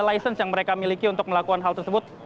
license yang mereka miliki untuk melakukan hal tersebut